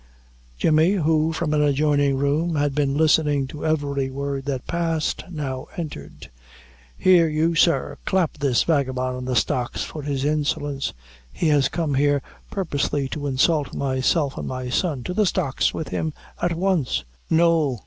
Jemmy, who, from an adjoining room, had been listening to every word that passed, now entered. "Here, you, sir: clap this vagabond in the stocks for his insolence. He has come here purposely to insult myself and my son. To the stocks with him at once." "No!"